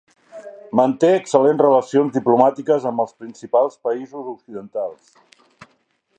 Manté excel·lents relacions diplomàtiques amb els principals països occidentals.